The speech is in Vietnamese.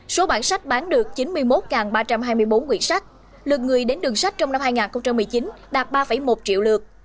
số bản sách bán được chín mươi một ba trăm hai mươi bốn quyển sách lượt người đến đường sách trong năm hai nghìn một mươi chín đạt ba một triệu lượt